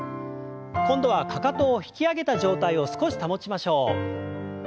今度はかかとを引き上げた状態を少し保ちましょう。